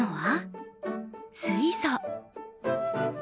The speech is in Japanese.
水素。